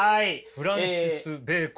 フランシス・ベーコン。